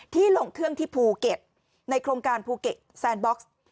ลงเครื่องที่ภูเก็ตในโครงการภูเก็ตแซนบ็อกซ์